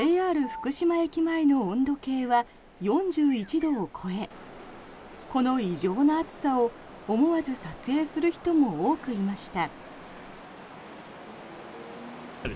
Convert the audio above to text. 福島駅前の温度計は４１度を超えこの異常な暑さを思わず撮影する人も多くいました。